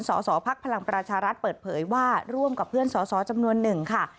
สสพลังประชารัฐเปิดเผยว่าร่วมกับเพื่อนสอสอจำนวนหนึ่งค่ะ